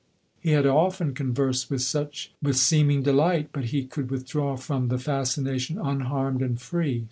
He had often con versed with such with seeming delight; but he could withdraw from the fascination unharmed and free.